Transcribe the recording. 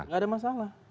tidak ada masalah